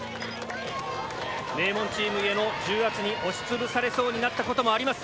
名門チーム故の重圧に押し潰されそうになった事もあります。